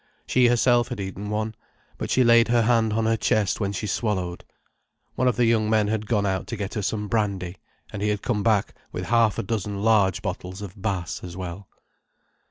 She herself had eaten one, but she laid her hand on her chest when she swallowed. One of the young men had gone out to get her some brandy, and he had come back with half a dozen large bottles of Bass as well.